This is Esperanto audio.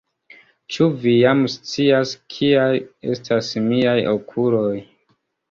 Ĉu Vi jam scias, kiaj estas miaj okuloj?